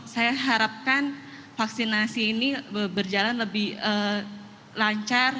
saya harapkan vaksinasi ini berjalan lebih lancar